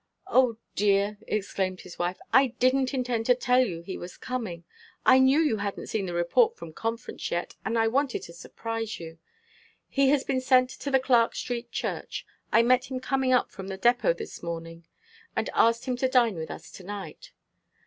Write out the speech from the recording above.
"O dear," exclaimed his wife, "I didn't intend to tell you he was coming. I knew you hadn't seen the report from Conference yet, and I wanted to surprise you. He has been sent to the Clark Street Church. I met him coming up from the depot this morning, and asked him to dine with us to night."